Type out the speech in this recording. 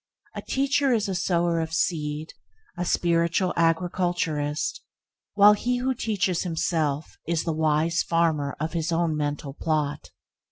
A teacher is a sower of seed, a spiritual agriculturist, while he who teaches himself is the wise farmer of his own mental plot.